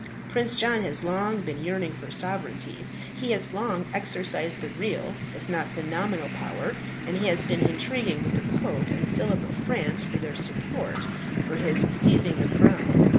Prince John has long been yearning for sovereignty. He has long exercised the real, if not the nominal, power, and he has been intriguing with the Pope and Phillip of France for their support for his seizing the crown.